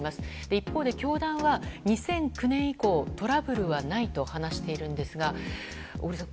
一方で教団は２００９年以降トラブルはないと話しているんですがこれ、小栗さん